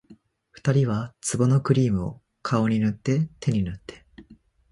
二人は壺のクリームを、顔に塗って手に塗って